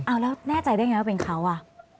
เอาแล้วแน่ใจได้ไงว่าเป็นเขาอ่ะ